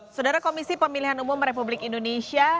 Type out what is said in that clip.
saudara komisi pemilihan umum republik indonesia